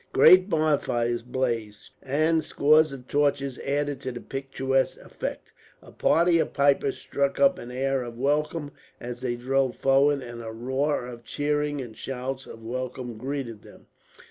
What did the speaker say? Great bonfires blazed, and scores of torches added to the picturesque effect. A party of pipers struck up an air of welcome as they drove forward, and a roar of cheering, and shouts of welcome greeted them.